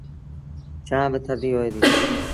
ڇآن با ٿڌي هوئي دي۔